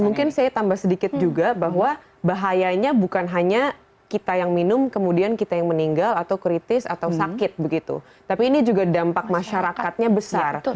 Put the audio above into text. dan mungkin saya tambah sedikit juga bahwa bahayanya bukan hanya kita yang minum kemudian kita yang meninggal atau kritis atau sakit begitu tapi ini juga dampak masyarakatnya besar